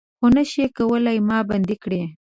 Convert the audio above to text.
خو نه شئ کولای ما بندۍ کړي